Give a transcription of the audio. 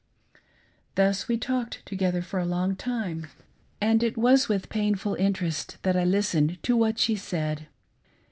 Thus we talked together for a long time, and it was with 444 HOPING AGAINST HOPE, painful interest that I listened to what she said.